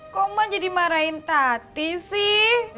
kok mak jadi marahin tati sih